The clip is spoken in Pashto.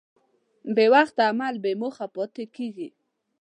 بېوخت عمل بېموخه پاتې کېږي.